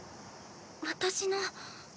私の。